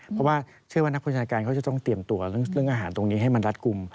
เพราะว่าเชื่อว่านักประชาการเขาจะต้องเตรียมตัวเรื่องอาหารตรงนี้ให้มันรัดกลุ่ม